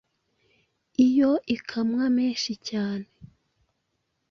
Iyo ikamwa menshi cyane